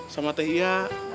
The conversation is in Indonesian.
sama teh ia